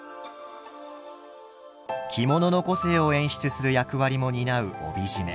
着物の個性を演出する役割も担う帯締め。